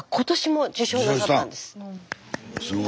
すごいね。